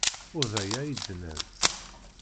Ur d aya ay d-nnan.